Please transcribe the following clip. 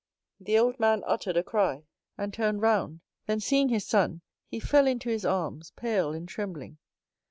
The old man uttered a cry, and turned round; then, seeing his son, he fell into his arms, pale and trembling.